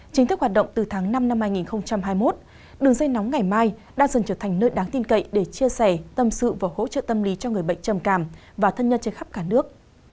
chính thức hoạt động từ tháng năm năm hai nghìn hai mươi một đường dây nóng ngày mai đang dần trở thành nơi đáng tin cậy để chia sẻ tâm sự và hỗ trợ tâm lý cho người bệnh trầm cảm và thân nhân trên khắp cả nước